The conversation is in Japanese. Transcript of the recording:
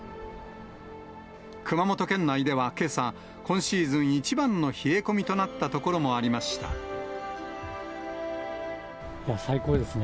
熊本県内ではけさ、今シーズン一番の冷え込みとなった所もありま最高ですね。